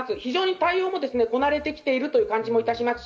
対応もこなれてきている感じもします。